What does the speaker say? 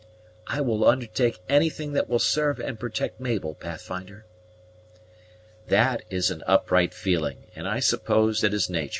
"I will undertake anything that will serve and protect Mabel, Pathfinder." "That is an upright feeling, and I suppose it is natur'.